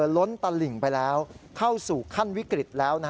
ล้นตลิ่งไปแล้วเข้าสู่ขั้นวิกฤตแล้ว